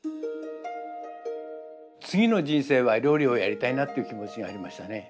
次の人生は料理をやりたいなっていう気持ちがありましたね。